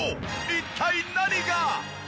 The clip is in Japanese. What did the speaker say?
一体何が？